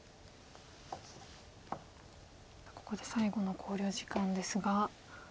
ここで最後の考慮時間ですが。